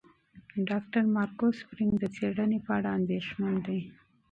ډاکټر مارکو سپرینګ د څېړنې په اړه اندېښمن دی.